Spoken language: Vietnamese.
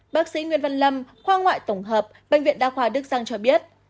bác sĩ nguyễn văn lâm khoa ngoại tổng hợp bệnh viện đa khoa đức giang cho biết